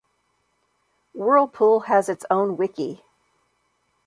Whirlpool has its own Wiki.